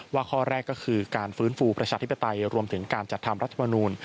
ข้อแรกก็คือการฟื้นฟูประชาธิปไตยรวมถึงการจัดทำรัฐมนูล